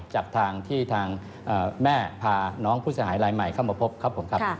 จากทางที่ทางแม่พาน้องผู้เสียหายรายใหม่เข้ามาพบครับผมครับ